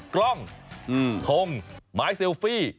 กล้องทงหมายเซลฟี่